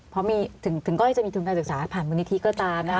เพราะถึงก้อยจะมีธุรกาศศึกษาผ่านบุญนิธีก็ตามนะ